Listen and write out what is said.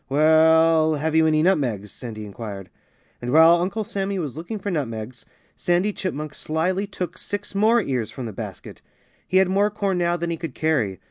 "Well have you any nutmegs?" Sandy inquired. And while Uncle Sammy was looking for nutmegs, Sandy Chipmunk slyly took six more ears from the basket. He had more corn now than he could carry.